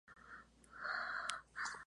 Se encuentra sobre suelos arenosos ácidos.